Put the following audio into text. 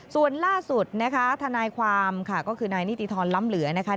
ส่วนล่าสุดนะคะทนายความค่ะก็คือนายนิติธรรมล้ำเหลือนะคะ